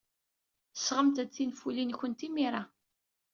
Sɣemt-d tinfulin-nwent imir-a.